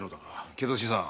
けど新さん